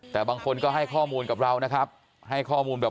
แต่บางคนก็ให้ข้อมูลกับเรานะครับให้ข้อมูลแบบ